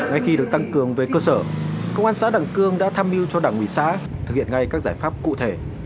ghi nhận của phóng viên antv